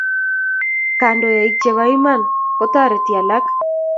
Kandoik chebo iman kotoreti alak